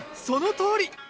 そのとおり。